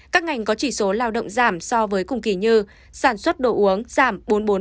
các ngành có chỉ số lao động giảm so với cùng kỳ như sản xuất đồ uống giảm bốn mươi bốn